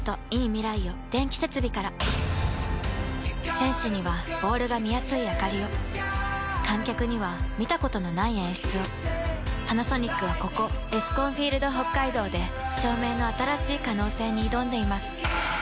選手にはボールが見やすいあかりを観客には見たことのない演出をパナソニックはここエスコンフィールドＨＯＫＫＡＩＤＯで照明の新しい可能性に挑んでいます